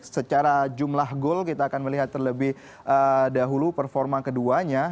secara jumlah gol kita akan melihat terlebih dahulu performa keduanya